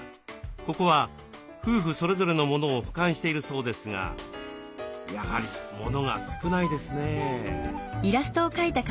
ここは夫婦それぞれのモノを保管しているそうですがやはりモノが少ないですね。